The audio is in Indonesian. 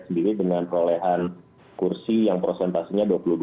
sendiri dengan perolehan kursi yang prosentasinya